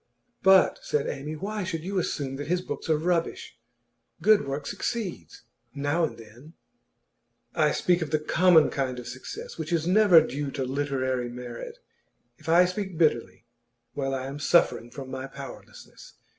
'But,' said Amy, 'why should you assume that his books are rubbish? Good work succeeds now and then.' 'I speak of the common kind of success, which is never due to literary merit. And if I speak bitterly, well, I am suffering from my powerlessness.